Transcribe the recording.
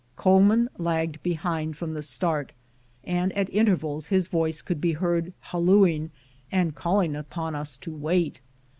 Coleman lagged behind from the start, and at intervals his voice could be heard hallooing and calling upon us to wait.